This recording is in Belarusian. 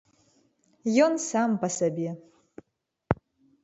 Ён сам па сабе.